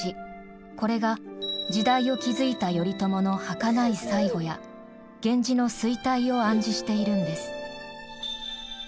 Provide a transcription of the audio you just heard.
これが時代を築いた頼朝のはかない最期や源氏の衰退を暗示しているんです。